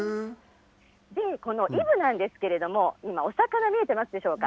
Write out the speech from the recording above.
このイブなんですけれども、今、お魚見えてますでしょうか。